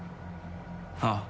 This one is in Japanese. ああ。